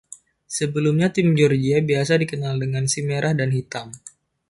Sebelumnya, tim Georgia biasa dikenal sebagai si Merah dan Hitam.